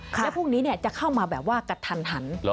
แล้วพวกนี้เนี่ยจะเข้ามาแบบว่ากระทัน